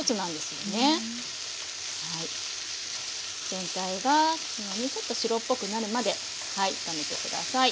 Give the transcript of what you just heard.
全体がもうちょっと白っぽくなるまで炒めて下さい。